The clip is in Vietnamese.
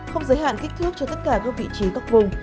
không giới hạn kích thước cho tất cả vị trí góc vùng